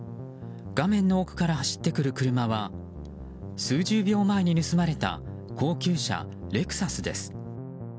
画面の奥から走ってくる車は数十秒前に盗まれた高級車レクサスです。